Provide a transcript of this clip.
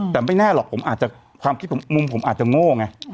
แต่ไม่แน่หรอกผมอาจจะความคิดมุมผมอาจจะโง่ไง